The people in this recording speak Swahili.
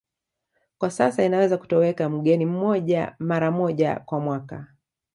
Kwa sasa inaweza kutoweka mgeni mmoja mara moja kwa mwaka